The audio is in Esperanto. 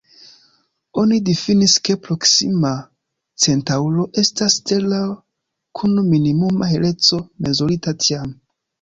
Oni difinis, ke Proksima Centaŭro estas stelo kun minimuma heleco mezurita tiam.